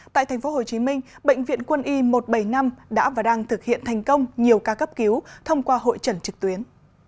tại tp hcm bệnh viện quân y một trăm bảy mươi năm đã và đang thực hiện thành công nhiều ca cấp cứu thông qua hội trận trực tuyến